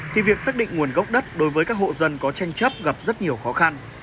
thì việc xác định nguồn gốc đất đối với các hộ dân có tranh chấp gặp rất nhiều khó khăn